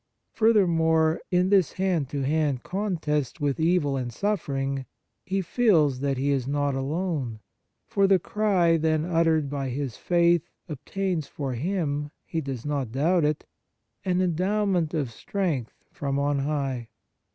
Furthermore, in this hand to hand contest with evil and suffering, he feels that he is not alone, for the cry then uttered by his faith obtains for him — he does not doubt it — an endowment of strength from on high.